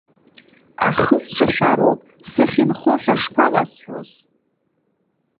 Ахы сҿашәароуп, сахьынхо ҳәа шԥаласҳәоз.